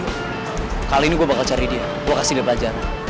udah tuh pulang di kekepan